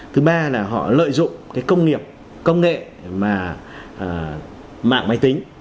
thứ ba là họ lợi dụng cái công nghiệp công nghệ mà mạng máy tính